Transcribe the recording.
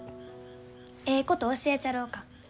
えいこと教えちゃろうか？